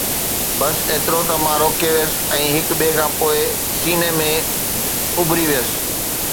بس ايترو ته مان روڪي ويس ۽ هڪ ٻئي کان پوءِ سيني ۾ اُڀري ويس